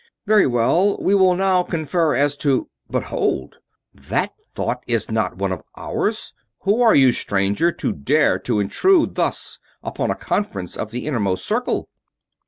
"Very well. We will now confer as to ... but hold! That thought is not one of ours! Who are you, stranger, to dare to intrude thus upon a conference of the Innermost Circle?"